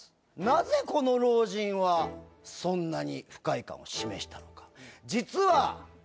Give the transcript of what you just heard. なぜこの老人はそんなに不快感を示したのか。